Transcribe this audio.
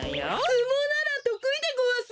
すもうならとくいでごわす。